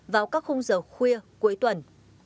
vào các hôm giờ khuya cuối tuần